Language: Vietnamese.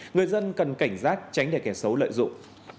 người dân cần cảnh giác tránh để kẻ xấu lợi dụng